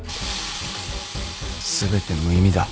全て無意味だ